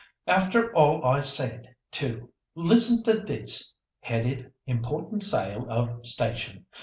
After all I said too! Listen to this! headed 'Important Sale of Station.